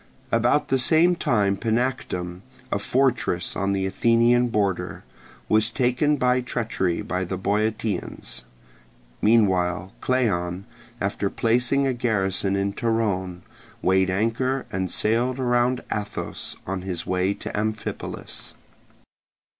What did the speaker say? About the same time Panactum, a fortress on the Athenian border, was taken by treachery by the Boeotians. Meanwhile Cleon, after placing a garrison in Torone, weighed anchor and sailed around Athos on his way to Amphipolis.